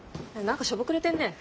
何かしょぼくれてんね。